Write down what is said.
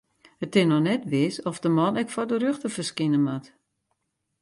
It is noch net wis oft de man ek foar de rjochter ferskine moat.